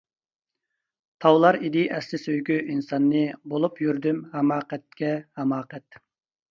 تاۋلار ئىدى ئەسلى سۆيگۈ ئىنساننى، بولۇپ يۈردۈم ھاماقەتكە ھاماقەت.